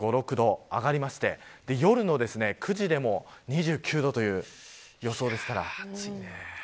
日中は、３５度、３６度と上がりまして夜の９時でも２９度という予想ですから。